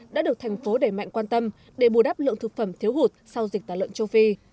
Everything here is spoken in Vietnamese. đã được thành phố đẩy mạnh quan tâm để bù đắp lượng thực phẩm thiếu hụt sau dịch tả lợn châu phi